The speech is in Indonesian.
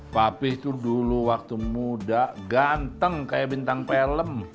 papi itu dulu waktu muda ganteng kayak bintang pelem